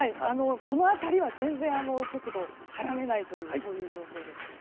この辺りは全然速度を速めないという状況です。